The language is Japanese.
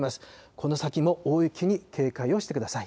この先も大雪に警戒をしてください。